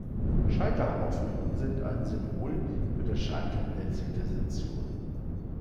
Scheiterhaufen sind ein Symbol für das Scheitern der Zivilisation.